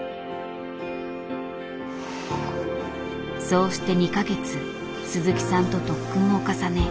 そうして２か月鈴木さんと特訓を重ね